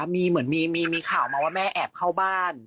มีเหมือนมีข่าวมาว่าแม่แอบเข้าบ้าน